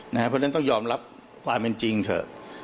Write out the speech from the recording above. เพราะฉะนั้นต้องยอมรับความเป็นจริงเถอะ